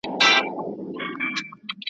لا مي پلونه پکښی پاته هغه لار په سترګو وینم `